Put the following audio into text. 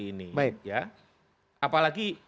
ini baik ya apalagi